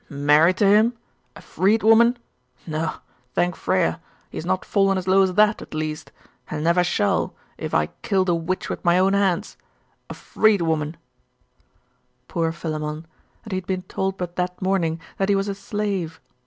'Married to him? A freedwoman? No; thank Freya! he has not fallen as low as that, at least: and never shall, if I kill the witch with my own hands. A freedwoman!' Poor Philammon! And he had been told but that morning that he was a slave.